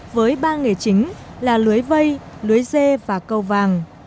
với ba nghề chính là lưới vây lưới dê và câu vàng